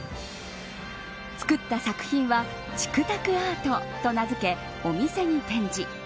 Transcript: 作った作品はチクタクアートと名付けお店に展示。